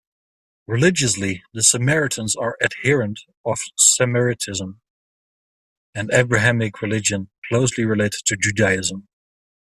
Religiously, the Samaritans are adherents of Samaritanism, an Abrahamic religion closely related to Judaism.